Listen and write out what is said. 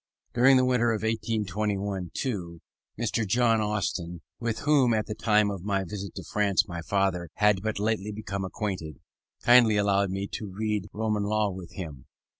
During the winter of 1821 2, Mr. John Austin, with whom at the time of my visit to France my father had but lately become acquainted, kindly allowed me to read Roman law with him.